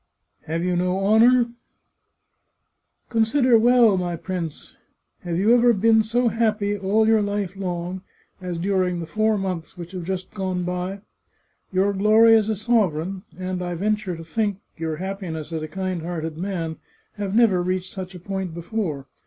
Have you no honour ?"" Consider well, my prince. Have you ever been so happy, all your life long, as during the four months which have just gone by? Your glory as a sovereign, and, I ven ture to think, your happiness as a kind hearted man, have never reached such a point before.